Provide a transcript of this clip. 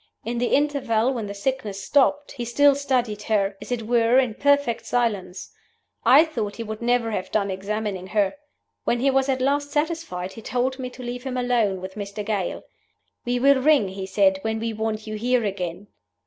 In the interval when the sickness stopped, he still studied her, as it were, in perfect silence. I thought he would never have done examining her. When he was at last satisfied, he told me to leave him alone with Mr. Gale. 'We will ring,' he said, 'when we want you here again.